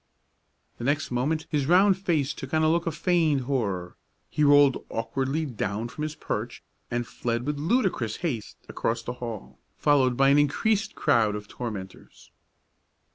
The next moment his round face took on a look of feigned horror; he rolled awkwardly down from his perch, and fled with ludicrous haste across the hall, followed by an increased crowd of tormentors.